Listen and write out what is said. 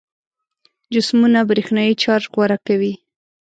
جسمونه برېښنايي چارج غوره کوي.